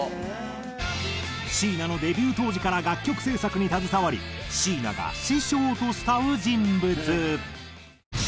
椎名のデビュー当時から楽曲制作に携わり椎名が「師匠」と慕う人物。